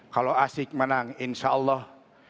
kalau asik menang insya allah